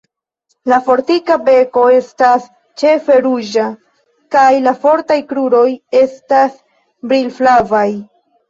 La fortika beko estas ĉefe ruĝa, kaj la fortaj kruroj estas brilflavaj.